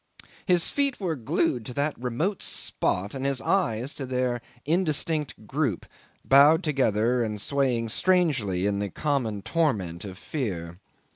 'His feet were glued to that remote spot and his eyes to their indistinct group bowed together and swaying strangely in the common torment of fear.